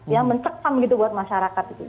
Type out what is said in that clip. ya mencekpam gitu buat masyarakat itu